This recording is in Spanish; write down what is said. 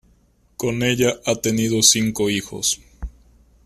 Con ella ha tenido cinco hijos.